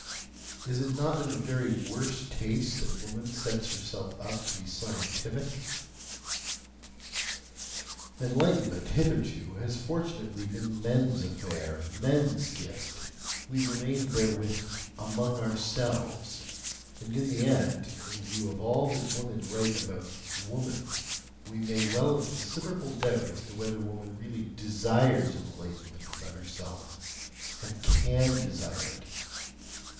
Is it not in the very worst taste that woman thus sets herself up to be scientific? Enlightenment hitherto has fortunately been men's affair, men's gift we remained therewith "among ourselves"; and in the end, in view of all that women write about "woman," we may well have considerable doubt as to whether woman really DESIRES enlightenment about herself and CAN desire it.